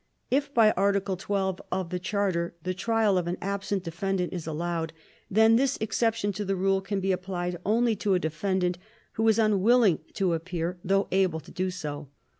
If by Article 12 of the Charter the Trial of an absent defendant is allowed, then this exception to the rule can be applied only to a defendant who is unwilling to appear though able to do so.